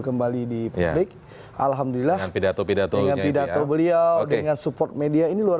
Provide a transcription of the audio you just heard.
kembali di publik alhamdulillah pidato pidatonya pidato beliau dengan support media ini luar